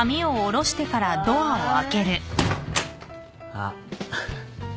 あっ。